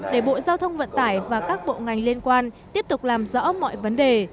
để bộ giao thông vận tải và các bộ ngành liên quan tiếp tục làm rõ mọi vấn đề